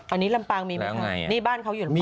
อันนี้ลำปังมีมาไงนี่บ้านเค้าอยู่หลังของ